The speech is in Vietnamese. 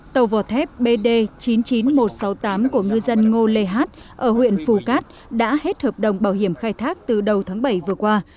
tàu vỏ thép bd chín mươi chín nghìn một trăm sáu mươi tám của ngư dân ngô lê hát ở huyện phù cát đã hết hợp đồng bảo hiểm khai thác từ đầu tháng bảy vừa qua